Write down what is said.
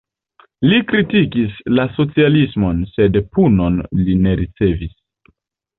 Li kritikis la socialismon, sed punon li ne ricevis.